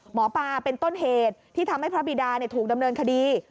หมอปลาเป็นต้นเหตุที่ทำให้พระบิดาถูกดำเนินคดี